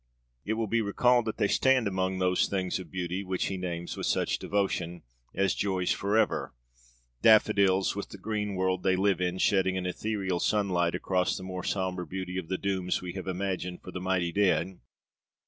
It will be recalled that they stand among those things of beauty which he names with so much devotion as 'joys forever'; 'daffodils, with the green world they live in' shedding an ethereal sunlight across the more sombre beauty of 'the dooms we have imagined for the mighty dead.'